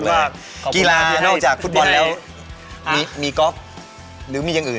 ว่ากีฬานอกจากฟุตบอลแล้วมีกอล์ฟหรือมีอย่างอื่น